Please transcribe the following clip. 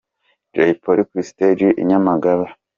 Jay polly kuri stage i Nyamagabe.